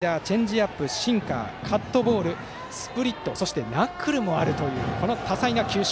球種も非常に多彩でカーブ、スライダーチェンジアップシンカー、カットボールスプリット、そしてナックルもあるという多彩な球種。